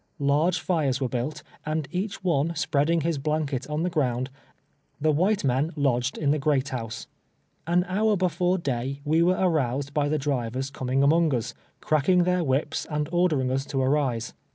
Large fires were built, and each one spreading his blanket on the ground, laid down upon it. Tlie white men lodged in the great house. An hour before day we were aroused by the drivers com ing among lis, cracking their whips and ordering us to arise.